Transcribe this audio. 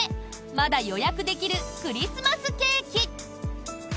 まだ予約できるクリスマスケーキ。